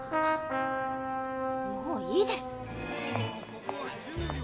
もういいです。